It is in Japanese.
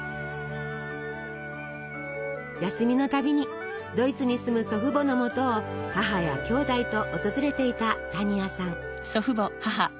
休みのたびにドイツに住む祖父母のもとを母やきょうだいと訪れていた多仁亜さん。